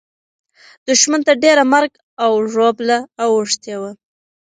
دښمن ته ډېره مرګ او ژوبله اوښتې وه.